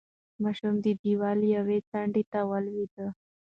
ماشوم د دېوال یوې څنډې ته ولوېد.